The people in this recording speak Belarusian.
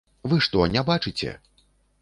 Вы што, не бачыце?